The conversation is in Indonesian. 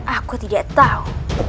aku tidak tahu